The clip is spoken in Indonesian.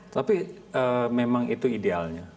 tapi memang itu idealnya